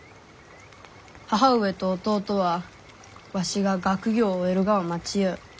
母上と弟はわしが学業を終えるがを待ちゆう。